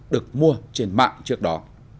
được mua trên mạng trước đó